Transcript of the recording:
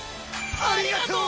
ありがとう！